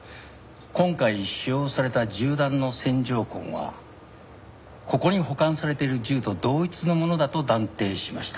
今回使用された銃弾の線条痕はここに保管されている銃と同一のものだと断定しました。